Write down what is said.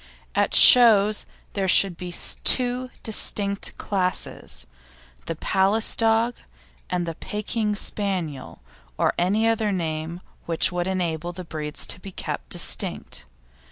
At shows there should be two distinct classes; the Palace dog and the Pekin Spaniel, or any other name which would enable the breeds to be kept distinct.